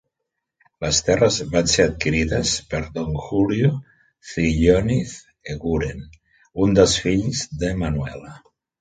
Les terres van ser adquirides per Don Julio Cilloniz Eguren, un dels fills de Manuela.